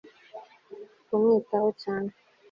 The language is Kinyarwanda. Kumwitaho cyane